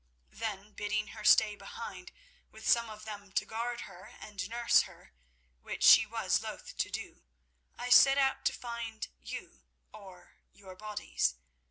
Then bidding her stay behind, with some of them to guard her, and nurse herself, which she was loth to do, I set out to find you or your bodies.